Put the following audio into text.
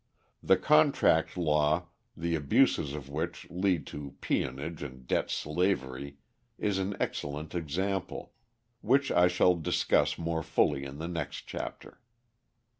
The contract law, the abuses of which lead to peonage and debt slavery, is an excellent example which I shall discuss more fully in the next chapter.